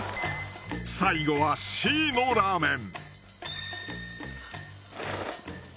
最後はＣのラーメン